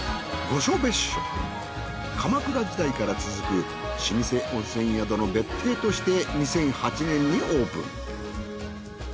鎌倉時代から続く老舗温泉宿の別邸として２００８年にオープン。